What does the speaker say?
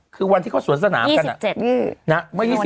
คือวันที่เขาสวนสนามอีก๒๗นาที